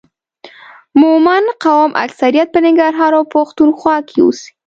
مومند قوم اکثریت په ننګرهار او پښتون خوا کې اوسي